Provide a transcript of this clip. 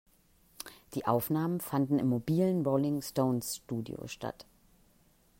Die Aufnahmen fanden im mobilen Rolling-Stones-Studio statt.